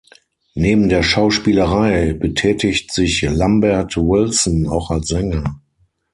Neben der Schauspielerei betätigt sich Lambert Wilson auch als Sänger.